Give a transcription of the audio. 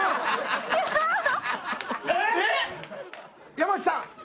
山内さん